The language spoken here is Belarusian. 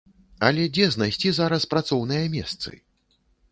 Але дзе знайсці зараз працоўныя месцы?